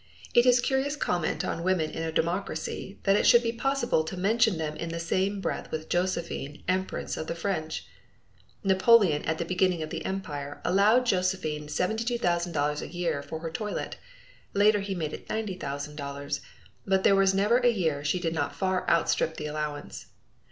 It is curious comment on women in a democracy that it should be possible to mention them in the same breath with Josephine, Empress of the French. Napoleon at the beginning of the Empire allowed Josephine $72,000 a year for her toilet; later he made it $90,000. But there was never a year she did not far outstrip the allowance.